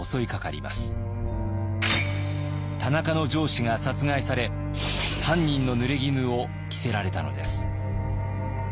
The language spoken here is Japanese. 田中の上司が殺害され犯人のぬれぎぬを着せられたのです。